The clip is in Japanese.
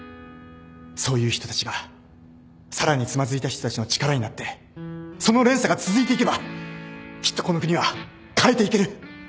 そういう人たちがさらにつまずいた人たちの力になってその連鎖が続いていけばきっとこの国は変えていける。